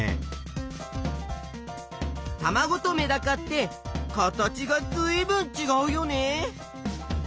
たまごとメダカって形がずいぶんちがうよね。